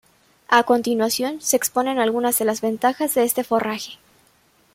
A continuación se exponen algunas de las ventajas de este forraje.